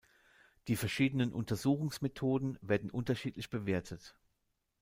Die verschiedenen Untersuchungsmethoden werden unterschiedlich bewertet.